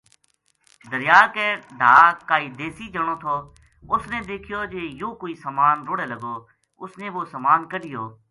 دریا کے ڈھا کائی دیسی جنو تھو اُس نے دیکھیو جے یوہ کوئی سامان رُڑے لگو اُس نے وہ سامان کَڈھیو